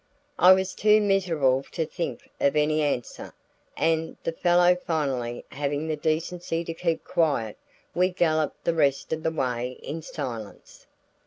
I was too miserable to think of any answer; and, the fellow finally having the decency to keep quiet, we galloped the rest of the way in silence.